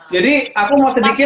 jadi aku mau sedikit